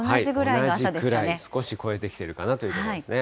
同じぐらい、少し超えてきているくらいかなというところですね。